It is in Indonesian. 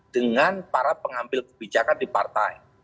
dengan para pengambil kebijakan di partai